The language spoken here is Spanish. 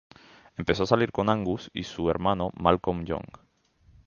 Empezó a salir con Angus y su hermano, Malcolm Young.